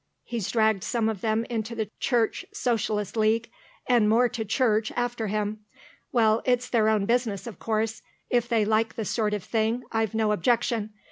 He's dragged some of them into the Church Socialist League, and more to church after him. Well, it's their own business, of course; if they like the sort of thing, I've no objection.